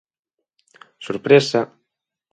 Sorpresa.